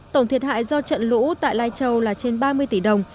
tổng thiệt hại do trận lũ tại lai châu là trên ba mươi tỷ đồng